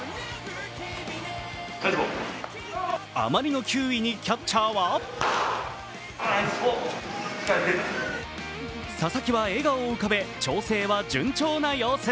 あまりの球威にキャッチャーは佐々木は笑顔を浮かべ調整は順調な様子。